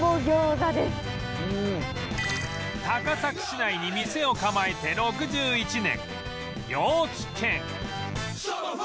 高崎市内に店を構えて６１年陽気軒